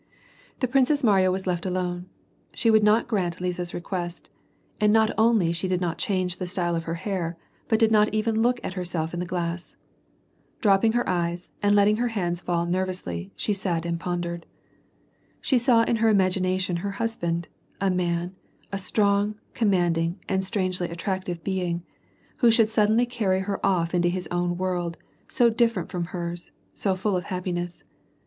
The Princess Mariya was left alone. She would not grant Liza's re<iuest, luid not only she did not change the style of her hair, but did not even look at herself in the glass. J)roj) ping her eyes, imd letting her hands fall nervelessly, she sat and pondered. She saw in her imagination her husband : a man, a strong, commanding, and strangely attractive being, who should suddenly carry her off into his own world, so different from hers, so full of happiness.